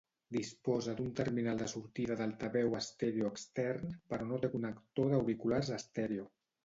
Disposa d'un terminal de sortida d'altaveu estèreo extern però no té connector d'auriculars estèreo.